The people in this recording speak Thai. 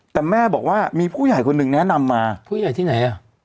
แต่แม่บอกว่ามีผู้ใหญ่คนหนึ่งแนะนำมาผู้ใหญ่ที่ไหนอ่ะ